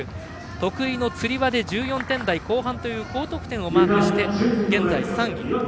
得意のつり輪で１４点台後半という高得点をマークして現在３位。